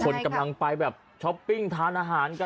คนกำลังไปแบบช้อปปิ้งทานอาหารกัน